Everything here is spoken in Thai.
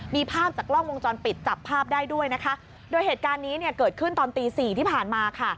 มีภาพจากกล้องวงจรปิดจับภาพได้ด้วยนะคะโดยเหตุการณ์นี้เนี่ยเกิดขึ้นตอนตีสี่ที่ผ่านมาค่ะ